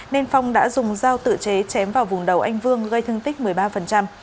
nên phong đã dùng dao tự chế chém vào vùng đầu anh vương gây thương tích một mươi ba